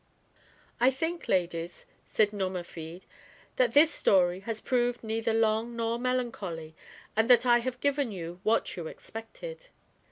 3 " I think, ladies," said Nomerfide, " that this story has proved neither long nor melancholy, and that I have given you what you expected."